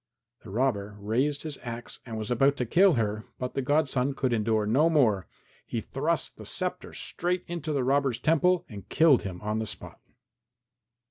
The robber raised his axe, and was about to kill her, but the godson could endure no more; he thrust the sceptre straight into the robber's temple and killed him on the spot.